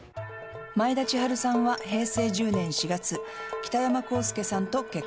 「前田千春さんは平成１０年４月北山浩介さんと結婚。